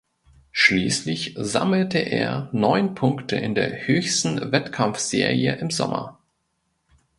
Schließlich sammelte er neun Punkte in der höchsten Wettkampfserie im Sommer.